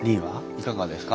いかがですか？